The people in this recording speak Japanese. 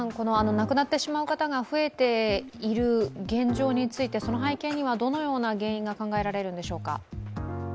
亡くなってしまう方が増えている現状についてその背景にはどのような原因が考えられるのでしょうか？